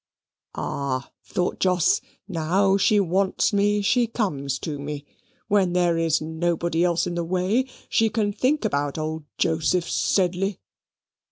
"Ah!" thought Jos, "now she wants me she comes to me. When there is nobody else in the way she can think about old Joseph Sedley!"